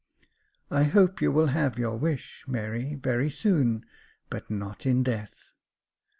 " I hope you will have your wish, Mary, very soon, but not in death."